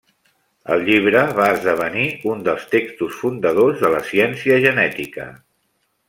El llibre va esdevenir un dels textos fundadors de la ciència genètica.